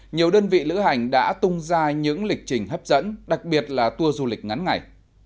nhiều đơn vị lữ hành đã tung ra những lịch trình hấp dẫn đặc biệt là tour du lịch ngắn ngày